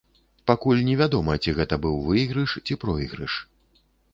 Пакуль невядома, ці гэта быў выйгрыш, ці пройгрыш.